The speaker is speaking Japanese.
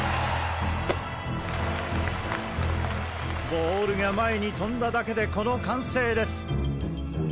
ボールが前に飛んだだけでこの歓声です！